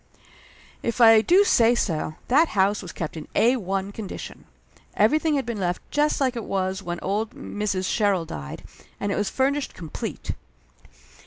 If I do say so, that house was kept in Ai condition. Everything had been left just like it was when old Mrs. Sherrill died, and it was furnished complete.